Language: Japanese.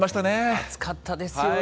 暑かったですよね。